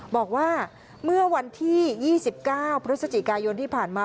บอกว่าเมื่อวันที่๒๙พฤศจิกายนที่ผ่านมา